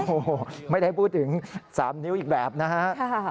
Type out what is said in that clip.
โอ้โหไม่ได้พูดถึง๓นิ้วอีกแบบนะฮะ